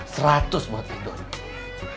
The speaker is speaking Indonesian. seratus buat itu doi